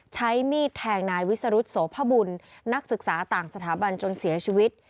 ใช้มีดแทงนายวิสรุธโสพบุญนักศึกษาต่างสถาบันจนเสียชีวิต